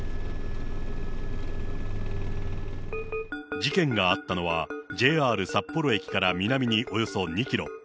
事件があったのは、ＪＲ札幌駅から南におよそ２キロ。